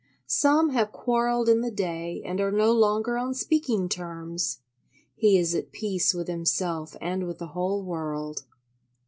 Some have quarrelled in the day and are no longer on speaking terms; he is at peace with himself and with the whole world.